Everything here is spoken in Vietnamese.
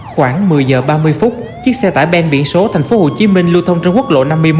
khoảng một mươi giờ ba mươi phút chiếc xe tải ben biển số tp hcm lưu thông trên quốc lộ năm mươi một